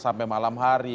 sampai malam hari